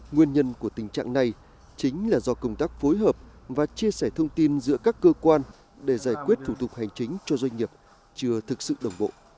nguyên nhân của tình trạng này chính là do công tác phối hợp và chia sẻ thông tin giữa các cơ quan để giải quyết thủ tục hành chính cho doanh nghiệp chưa thực sự đồng bộ